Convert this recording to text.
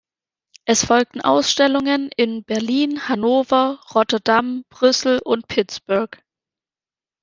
Es folgten Ausstellungen in Berlin, Hannover, Rotterdam, Brüssel und Pittsburgh.